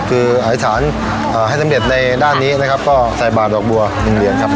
คืออธิษฐานให้สำเร็จในด้านนี้นะครับก็ใส่บาทดอกบัวโรงเรียนครับ